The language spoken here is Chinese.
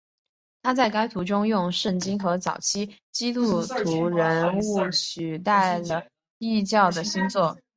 他在该图中用圣经和早期基督徒人物取代了异教的星座。